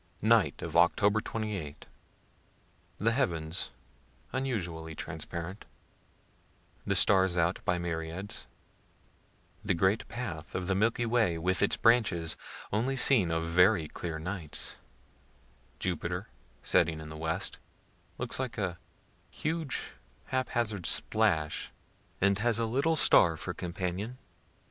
Night of Oct. 28. The heavens unusually transparent the stars out by myriads the great path of the Milky Way, with its branch, only seen of very clear nights Jupiter, setting in the west, looks like a huge hap hazard splash, and has a little star for companion.